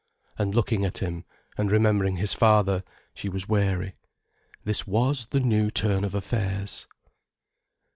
And looking at him, and remembering his father, she was wary. This was the new turn of affairs!